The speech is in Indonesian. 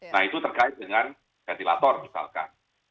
nah itu terkait dengan ventilator misalkan